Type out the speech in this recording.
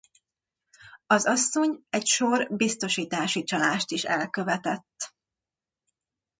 Az asszony egy sor biztosítási csalást is elkövetett.